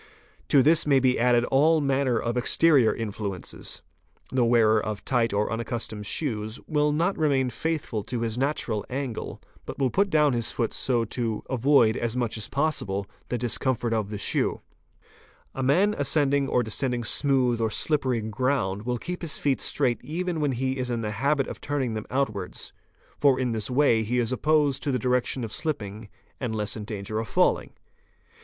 'T'o this may be added all manner of exterior influences: the wearer of tight or unaccustomed shoes, will not remain faithful to his natural angle, but will put down his foot so to avoid as much as possible the discomfort of the shoe. "A man ascending or descending smooth or slippery ground will keep his feet straight even when he is in the habit of turning them out wards, for in this way he is opposed to the direction of shipping and less in danger of falling.